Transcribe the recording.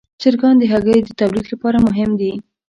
چرګان د هګیو د تولید لپاره مهم دي.